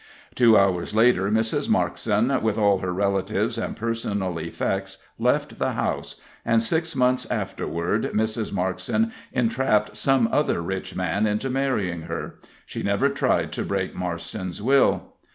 Two hours later Mrs. Markson, with all her relatives and personal effects, left the house, and six months afterward Mrs. Markson entrapped some other rich man into marrying her. She never tried to break Marston's will.